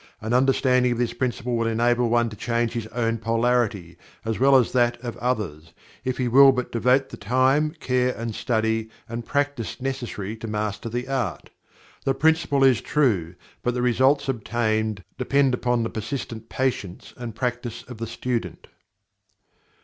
An understanding of this principle will enable one to change his own Polarity, as well as that of others, if he will but devote the time, care, study and practice necessary to master the art. The principle is true, but the results obtained depend upon the persistent patience and practice of the student.